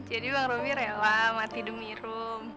jadi bang robi rela mati demi rum